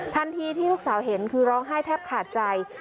ที่ลูกสาวเห็นคือร้องไห้แทบขาดใจ